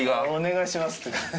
お願いします。